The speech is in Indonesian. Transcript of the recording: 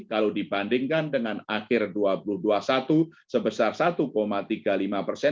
kalau dibandingkan dengan akhir dua ribu dua puluh satu sebesar satu tiga puluh lima persen